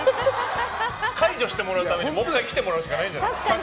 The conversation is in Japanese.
解除してもらうためにもう１回来てもらうしかないんじゃない？